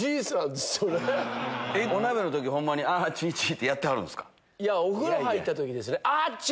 お鍋の時ホンマ「アチチ」ってやってはるんですか？